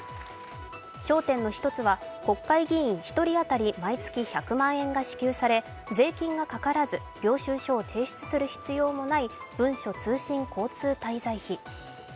焦点の一つは国会議員１人当たり毎月１００万円が支給され、税金がかからず領収書を提出する必要のない文書通信交通滞在費。